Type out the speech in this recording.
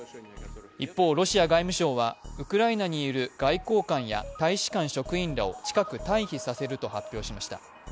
一方、ロシア外務省はウクライナにいる外交官や大使館職員らを近く退避させると発表しました。